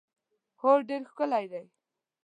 هو ډېر ښکلی دی.